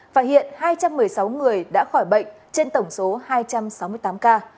và hiện hai trăm một mươi sáu người đã khỏi bệnh trên tổng số hai trăm sáu mươi tám ca